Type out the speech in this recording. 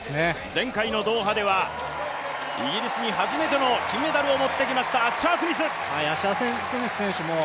前回のドーハではイギリスに初めての金メダルを持ってきました、アッシャー・スミス選手。